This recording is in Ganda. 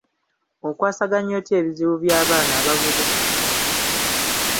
Okwasaganya otya ebizibu by'abaana abavubuka?